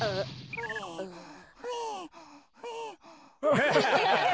ハハハハ。